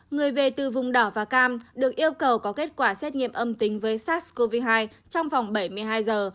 người về từ vùng đỏ và cam được yêu cầu có kết quả xét nghiệm âm tính với sars cov hai trong vòng bảy mươi hai giờ